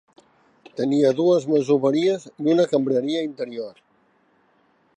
Tenia dues masoveries i una cambreria interior.